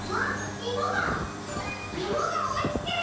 イモがおちてる！